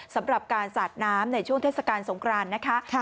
สำหรับการสาดน้ำในช่วงเทศกาลสงครานนะคะ